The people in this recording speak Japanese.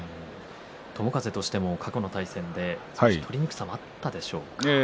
友風としても過去の対戦で取りにくさはあったでしょうか？